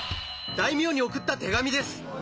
大名に送った手紙です！